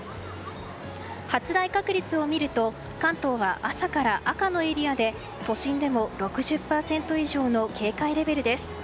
発雷確率を見ると関東は朝から赤のエリアで都心でも６０％以上の警戒レベルです。